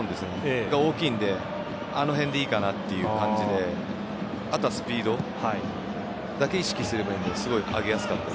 それが大きいのであの辺でいいかなという感じであとはスピードだけ意識すればいいと思うので上げやすかった。